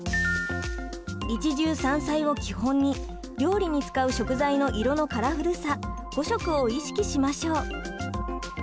一汁三菜を基本に料理に使う食材の色のカラフルさ五色を意識しましょう。